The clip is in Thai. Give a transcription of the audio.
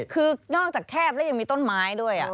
คือนอกจากแคบแล้วยังมีต้นไม้ด้วย